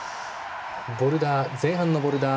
前半のボルダー